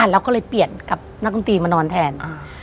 เราก็เลยเปลี่ยนกับนักดนตรีมานอนแทน